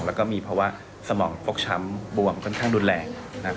และก็มีภาวะสมองฟกช้ำบวมค่อนข้างรุนแรง